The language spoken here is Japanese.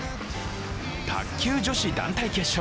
卓球女子団体決勝。